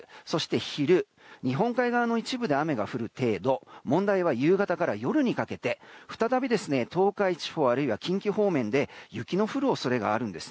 昼、日本海側の一部で雨が降る程度問題は夕方から夜にかけて再び東海地方あるいは近畿方面で雪が降る恐れがあります。